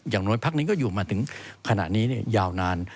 อย่างน้อยพักนี้ก็อยู่มาถึงขณะนี้ยาวนาน